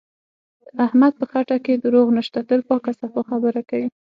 د احمد په خټه کې دروغ نشته، تل پاکه صفا خبره کوي.